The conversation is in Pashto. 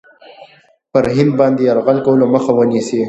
پر هند باندي یرغل کولو مخه ونیسي.